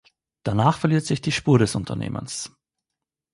Danach verliert sich die Spur des Unternehmens.